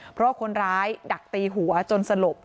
เพราะว่าคนร้ายดักตีหัวจนสลบ